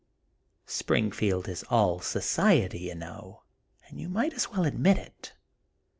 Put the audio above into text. Springfield is all * society,' you know, and you might as well admit it